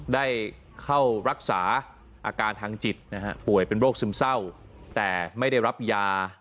ได้เข้ารักษาอาการทางจิตนะฮะป่วยเป็นโรคซึมเศร้าแต่ไม่ได้รับยา